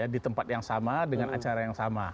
di tempat yang sama dengan acara yang sama